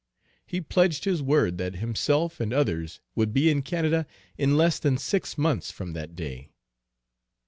He pledged his word that himself and others would be in Canada, in less than six months from that day.